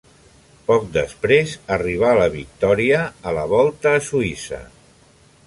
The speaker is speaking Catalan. Poc després arribà la victòria a la Volta a Suïssa.